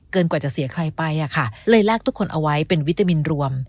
กว่าจะเสียใครไปอะค่ะเลยแลกทุกคนเอาไว้เป็นวิตามินรวม